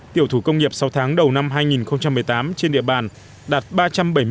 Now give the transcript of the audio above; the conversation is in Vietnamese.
tiểu thủ công nghiệp sau tháng đầu năm hai nghìn một mươi tám trên địa bàn đạt ba trăm bảy mươi một tỷ đồng